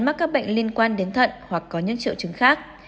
mắc các bệnh liên quan đến thận hoặc có những triệu chứng khác